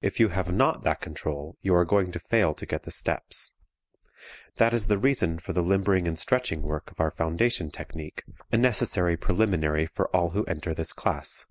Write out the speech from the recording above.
If you have not that control you are going to fail to get the steps. That is the reason for the limbering and stretching work of our foundation technique, a necessary preliminary for all who enter this class.